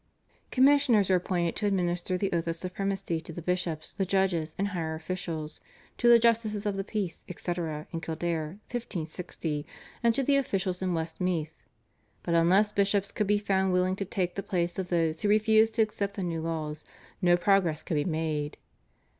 Commissioners were appointed to administer the oath of supremacy to the bishops, the judges, and higher officials, to the justices of the peace, etc., in Kildare (1560), and to the officials in Westmeath. But unless bishops could be found willing to take the place of those who refused to accept the new laws, no progress could be made.